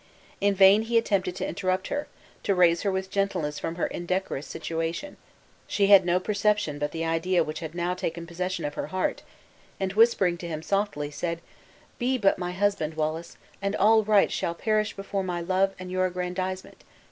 In vain he attempted to interrupt her, to raise her with gentleness from her indecorous situation; she had no perception but the idea which had now taken possession of her heart, and whispering to him softly, said: "Be but my husband, Wallace, and all rights shall perish before my love and your aggrandizement.